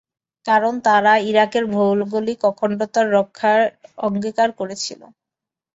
কারণ, তারা ইরাকের ভৌগোলিক অখণ্ডতা রক্ষার অঙ্গীকার করেছিল।